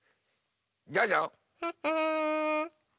どうぞ。